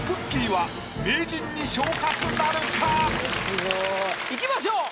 はいきましょう。